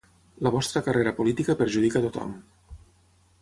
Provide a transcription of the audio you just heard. La vostra carrera política perjudica tothom.